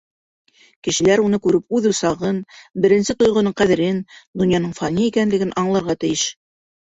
Кешеләр уны күреп, үҙ усағын, беренсе тойғоноң ҡәҙерен, донъяның фани икәнлеген аңларға тейеш.